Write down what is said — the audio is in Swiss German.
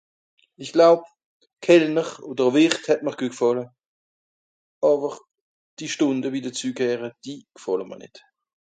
isch glaub Kellner òder Wìrt hättm'r guet g'fàlle àwer die Stùnde wie deuzü kehre die g'fàlle mr nìt